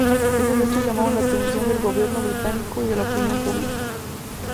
Estos hechos llamaron la atención del gobierno británico y de la opinión pública.